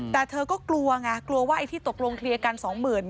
แต่เธอก็กลัวไงกลัวว่าไอ้ที่ตกลงเคลียร์กันสองหมื่น